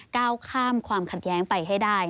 ก้าวข้ามความขัดแย้งไปให้ได้